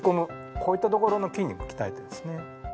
こういったところの筋肉を鍛えてますね。